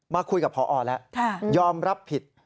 มาคุยกับพอแล้วยอมรับผิด